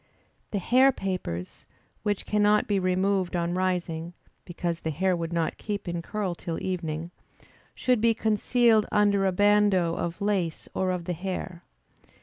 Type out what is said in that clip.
The hair papers, which cannot be removed on rising (because the hair would not keep in curl till evening,) should be concealed under a bandeau of lace or of the hair.